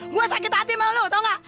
gua sakit hati sama lu tau nggak